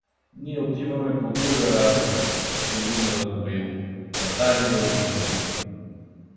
— Ние отиваме по друга работа — продума Радоил. — Татари да убиваме.